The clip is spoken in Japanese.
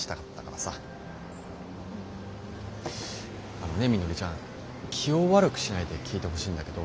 あのねみのりちゃん気を悪くしないで聞いてほしいんだけど。